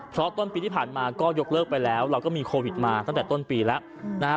เพราะต้นปีที่ผ่านมาก็ยกเลิกไปแล้วเราก็มีโควิดมาตั้งแต่ต้นปีแล้วนะฮะ